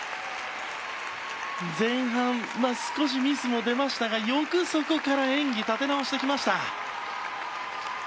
前半少しミスも出ましたがよくそこから演技を立て直してきました。